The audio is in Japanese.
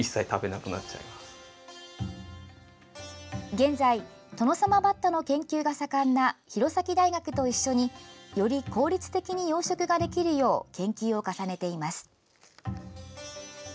現在トノサマバッタの研究が盛んな弘前大学と一緒により効率的に養殖ができるよう研究を重ねています。